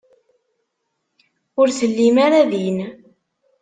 Ur tellim ara din.